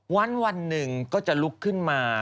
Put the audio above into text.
วันหนึ่งก็จะลุกขึ้นมา